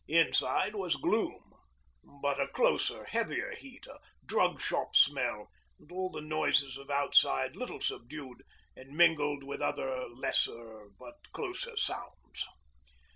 Inside was gloom, but a closer, heavier heat, a drug shop smell, and all the noises of outside, little subdued, and mingled with other lesser but closer sounds.